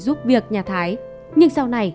giúp việc nhà thái nhưng sau này